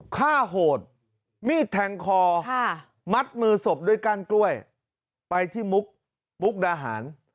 ฆ่าโหดมีดแทงคอมัดมือศพด้วยก้านกล้วยไปที่มุกมุกดาหาร